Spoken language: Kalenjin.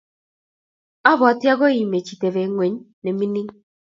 Abwati agoi imech iteb ngweny ne mingin